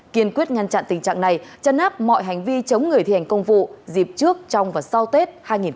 kiên quyết ngăn chặn tình trạng này chăn nắp mọi hành vi chống người thi hành công vụ dịp trước trong và sau tết hai nghìn hai mươi hai